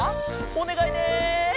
おねがいね！